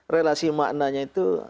relasi maknanya itu